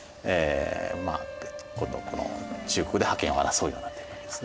まあこの中国で覇権を争うようになっていくわけですね。